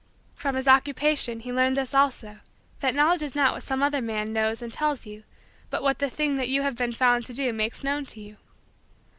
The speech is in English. From his Occupation, he learned this also: that Knowledge is not what some other man knows and tells you but what the thing that you have found to do makes known to you.